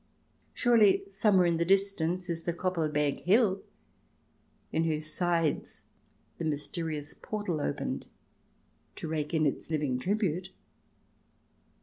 Surely somewhere in the distance is the Koppelberg Hill, in whose sides the mys terious portal opened to rake in its living tribute